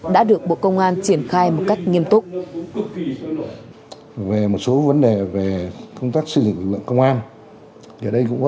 đã được bộ công an triển khai một cách nghiêm túc